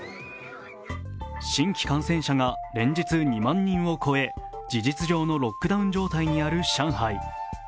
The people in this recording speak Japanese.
新規感染者が連日２万人を超え、事実上のロックダウンにある上海。